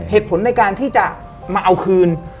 เหตุผลในการที่จะมาเอาคืน